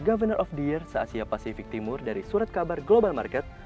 governer of the year se asia pasifik timur dari surat kabar global market